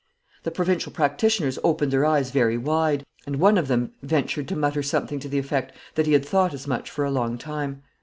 The provincial practitioners opened their eyes very wide; and one of them ventured to mutter something to the effect that he had thought as much for a long time.